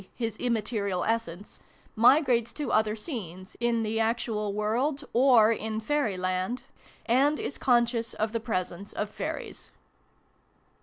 his immaterial essence) migrates to other scenes, in the actual world, or in Fairyland, and is conscious of the presence of Fairies.